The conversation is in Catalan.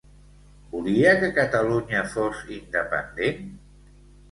Volia que Catalunya fos independent?